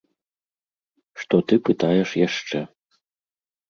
Што ты пытаеш яшчэ.